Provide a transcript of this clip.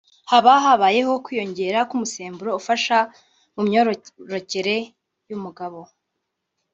haba habayeho kwiyongera k’umusemburo ufasha mu myororokere y’umugabo